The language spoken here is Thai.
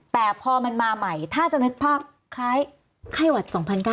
แต่พอมันมาใหม่ถ้าจะนึกภาพคล้ายไข้หวัด๒๙๐